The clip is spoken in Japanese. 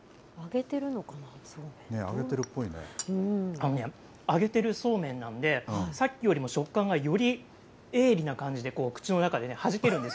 あのね、揚げてるそうめんなのでさっきよりも食感がより鋭利な感じで口の中ではじけるんです。